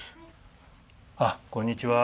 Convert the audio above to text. あっこんにちは。